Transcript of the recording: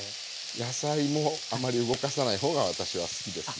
野菜もあまり動かさない方が私は好きですね。